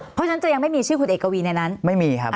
เพราะฉะนั้นจะยังไม่มีชื่อคุณเอกวีในนั้นไม่มีครับ